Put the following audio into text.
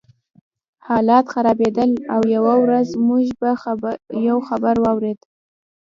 حالات خرابېدل او یوه ورځ موږ یو خبر واورېد